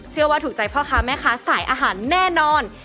ว่าถูกใจพ่อค้าแม่ค้าสายอาหารแน่นอน